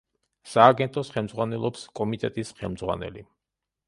სააგენტოს ხელმძღვანელობს კომიტეტის ხელმძღვანელი.